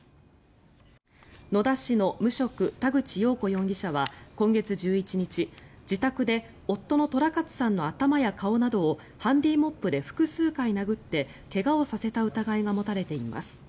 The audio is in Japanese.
野田市の無職田口よう子容疑者は今月１１日自宅で夫の寅勝さんの頭や顔などをハンディーモップで複数回殴って怪我をさせた疑いが持たれています。